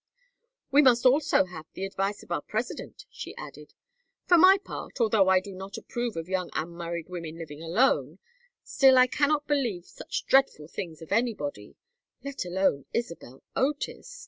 "We must also have the advice of our President," she added. "For my part, although I do not approve of young unmarried women living alone, still I cannot believe such dreadful things of anybody, let alone Isabel Otis.